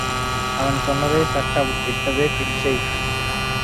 அவன் சொன்னதே சட்டம் இட்டதே பிச்சை.